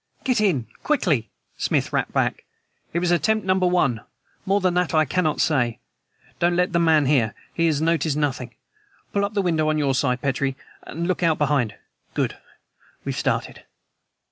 "Get in quickly!" Smith rapped back. "It was attempt number one! More than that I cannot say. Don't let the man hear. He has noticed nothing. Pull up the window on your side, Petrie, and look out behind. Good! We've started."